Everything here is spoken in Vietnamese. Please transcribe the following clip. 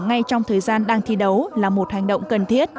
ngay trong thời gian đang thi đấu là một hành động cần thiết